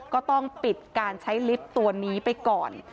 ก็ต้องปิดการใช้ลิฟต์ตัวนี้ไปก่อน